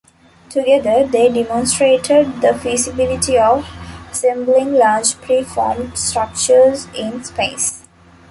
Together, they demonstrated the feasibility of assembling large pre-formed structures in space.